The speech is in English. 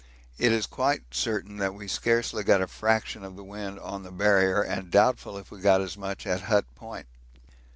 It is quite certain that we scarcely got a fraction of the wind on the Barrier and doubtful if we got as much at Hut Point.